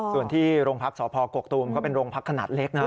ส่วนที่โรงพักสพกกตูมก็เป็นโรงพักขนาดเล็กนะ